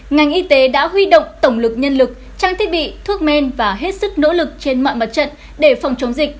ngành y tế đã huy động tổng lực nhân lực trang thiết bị thuốc men và hết sức nỗ lực trên mọi mặt trận để phòng chống dịch